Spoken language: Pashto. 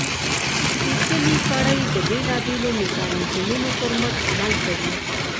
سپېڅلې کړۍ د بېلابېلو میکانیزمونو پر مټ عمل کوي.